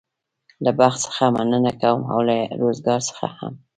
له بخت څخه مننه کوم او له روزګار څخه هم.